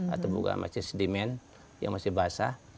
atau bubuk amasis sedimen yang masih basah